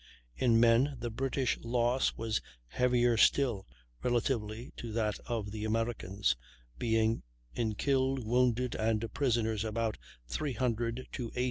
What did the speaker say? In men the British loss was heavier still relatively to that of the Americans, being in killed, wounded, and prisoners about 300 to 80.